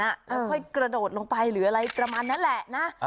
แล้วค่อยกระโดดลงไปหรืออะไรประมาณนั้นแหละนะ